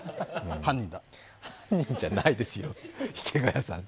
犯人じゃないですよ、池谷さん。